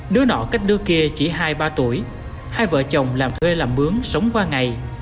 đứa nọ cách đứa kia chỉ hai ba tuổi hai vợ chồng làm thuê làm mướn sống qua ngày